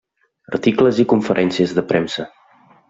Articles i conferències de premsa.